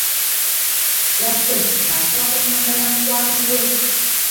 Yazze nga ansaba ku nnamba ya mukwano gwe